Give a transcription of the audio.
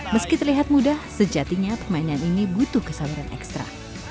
meski terlihat mudah sejatinya permainan ini butuh kesabaran ekstra